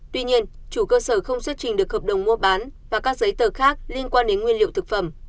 tuy nhiên chủ cơ sở không xuất trình được hợp đồng mua bán và các giấy tờ khác liên quan đến nguyên liệu thực phẩm